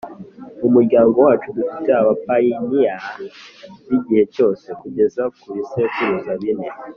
Mu muryango wacu dufte abapayiniya b’igihe cyose kugeza ku bisekuru bine